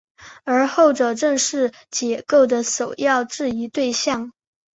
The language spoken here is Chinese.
而后者正是解构的首要质疑对象。